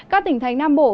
các tỉnh thành nam bộ